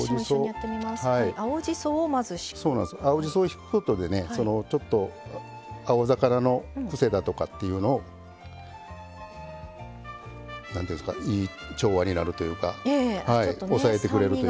青じそをひくことでねそのちょっと青魚のクセだとかっていうのを何というんですかいい調和になるというか抑えてくれるというか。